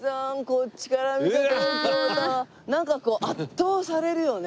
こっちから見る東京タワーなんかこう圧倒されるよね。